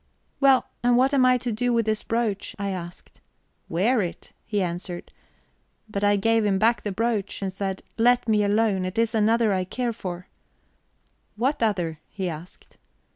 'Well, and what am I to do with this brooch?' I asked. 'Wear it,' he answered. But I gave him back the brooch, and said, 'Let me alone it is another I care for.' 'What other?' he asked.